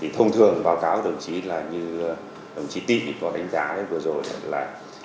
thông thường báo cáo với đồng chí là như đồng chí tị có đánh giá vừa rồi là